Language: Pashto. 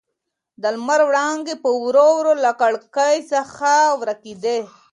د لمر وړانګې په ورو ورو له کړکۍ څخه ورکېدې.